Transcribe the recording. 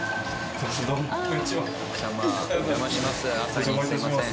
朝にすいません。